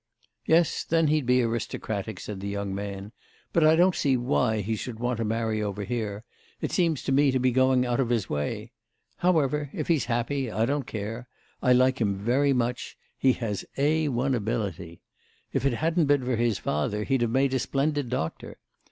"Yes, then he'd be aristocratic," said the young man. "But I don't see why he should want to marry over here; it seems to me to be going out of his way. However, if he's happy I don't care. I like him very much; he has 'A1' ability. If it hadn't been for his father he'd have made a splendid doctor.